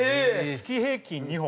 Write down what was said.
月平均２本。